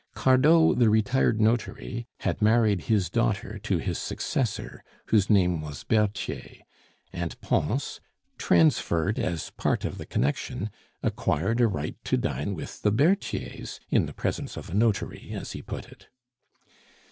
Cardot the retired notary had married his daughter to his successor, whose name was Berthier; and Pons, transferred as part of the connection, acquired a right to dine with the Berthiers "in the presence of a notary," as he put it.